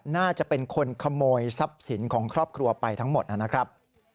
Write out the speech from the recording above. น่าจะเป็นคนขโมยทรัพย์สินของครอบครัวไปทั้งหมดนะครับ